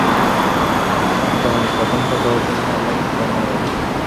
জন, প্রশংসা করার জন্য অনেক ধন্যবাদ।